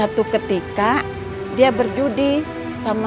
suatu ketika dia berjudi sama